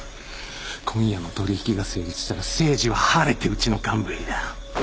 今夜の取引が成立したら誠司は晴れてうちの幹部入りだ。